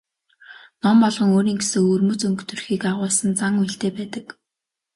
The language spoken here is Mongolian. Ном болгон өөрийн гэсэн өвөрмөц өнгө төрхийг агуулсан зан үйлтэй байдаг.